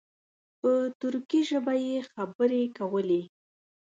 په ترکي ژبه یې خبرې کولې.